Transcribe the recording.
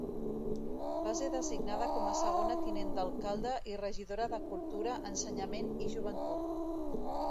Va ser designada com a segona tinent d'alcalde i regidora de Cultura, Ensenyament i Joventut.